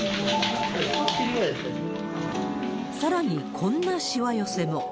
さらに、こんなしわ寄せも。